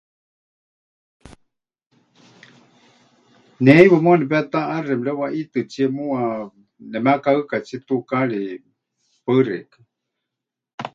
Ne heiwa muuwa nepetaʼaxe mɨrewaʼitɨtsie muuwa nemekahɨkatsie tukaari. Paɨ xeikɨ́a.